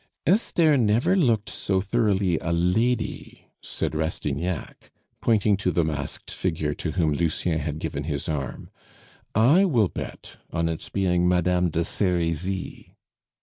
"Esther never looked so thoroughly a lady," said Rastignac, pointing to the masked figure to whom Lucien had given his arm. "I will bet on its being Madame de Serizy."